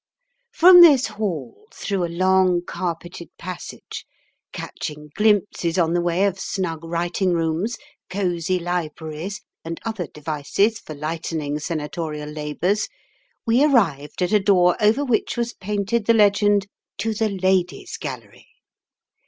From this hall, through a long carpeted passage, catching glimpses on the way of snug writing rooms, cosy libraries, and other devices for lightening senatorial labours, we arrived at a door over which was painted the legend "To the Ladies' Gallery."